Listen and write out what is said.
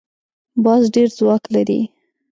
باز ډېر ځواک لري